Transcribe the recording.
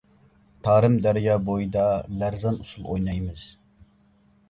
تارىم دەريا بۇيىدا، لەرزان ئۇسۇل ئوينايمىز.